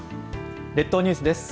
列島ニュースです。